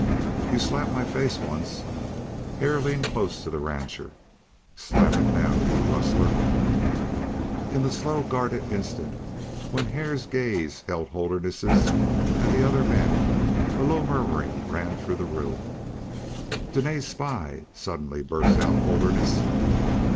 "You slapped my face once." Hare leaned close to the rancher. "Slap it now you rustler!" In the slow, guarded instant when Hare's gaze held Holderness and the other men, a low murmuring ran through the room. "Dene's spy!" suddenly burst out Holderness.